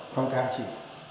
không cam chịu